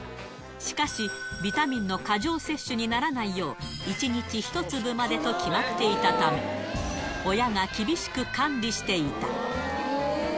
しかし、ビタミンの過剰摂取にならないよう、１日１粒までと決まっていたため、親が厳しく管理していた。